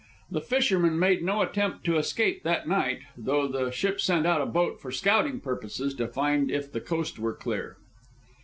The fishermen made no attempt to escape that night, though the ship sent out a boat for scouting purposes to find if the coast were clear.